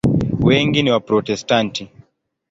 Wengi ni Waprotestanti.